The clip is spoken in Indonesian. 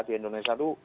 di indonesia itu